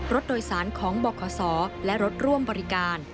รถโดยสารของบขและรถร่วมบริการ